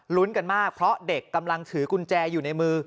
กันมากเพราะเด็กกำลังถือกุญแจอยู่ในมือ